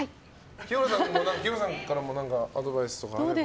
清原さんからもアドバイスとか。